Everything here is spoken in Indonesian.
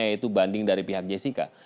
yaitu banding dari pihak jessica